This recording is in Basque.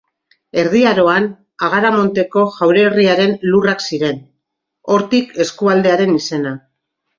Erdi Aroan, Agaramonteko jaurerriaren lurrak ziren, hortik eskualdearen izena.